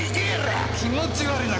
気持ち悪いな。